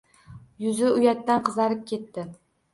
Yuzi uyatdan qizarib ketdi.